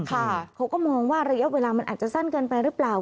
เขาก็มองว่าระยะเวลามันอาจจะสั้นเกินไปหรือเปล่า